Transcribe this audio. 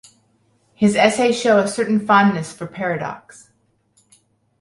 His essays show a certain fondness for paradox.